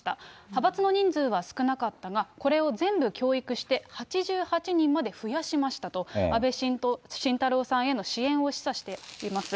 派閥の人数は少なかったが、これを全部教育して８８人まで増やしましたと、安倍晋太郎さんへの支援を示唆しています。